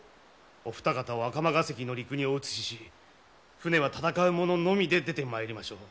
お二方を赤間ヶ関の陸にお移しし船は戦う者のみで出てまいりましょう。